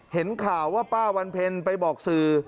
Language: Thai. เห็นข่าวว่าป้าวันเพ็ญไปบอกสื่อ